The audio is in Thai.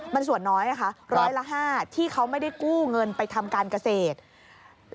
มันส่วนน้อยนะคะร้อยละ๕ที่เขาไม่ได้กู้เงินไปทำการเกษตร